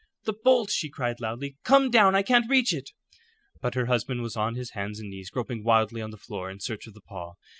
"The bolt," she cried, loudly. "Come down. I can't reach it." But her husband was on his hands and knees groping wildly on the floor in search of the paw.